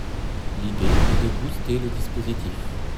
L’idée est de « booster » le dispositif.